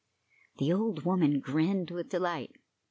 The old woman grinned with delight.